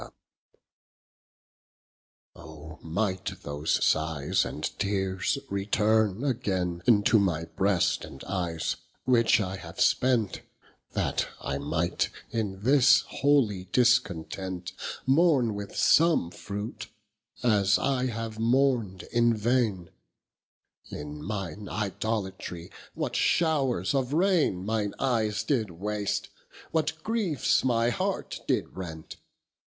III O might those sighes and teares returne againe Into my breast and eyes, which I have spent, That I might in this holy discontent Mourne with some fruit, as I have mourn'd in vaine; In mine Idolatry what showres of raine Mine eyes did waste? what griefs my heart did rent?